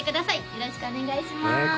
よろしくお願いしますねえ